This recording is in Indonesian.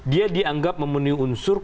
dia dianggap memenuhi unsur